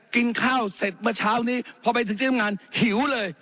กินข้าวเสร็จเมื่อเช้านี้พอไปถึงที่ทำงานหิวเลย